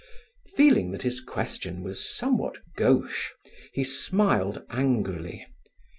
Feeling that his question was somewhat gauche, he smiled angrily.